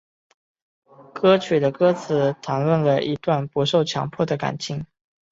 歌曲的歌词谈论了一段不受强迫的感情。